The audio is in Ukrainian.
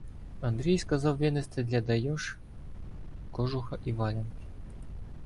Андрій сказав винести для Дайош кожуха і валянки.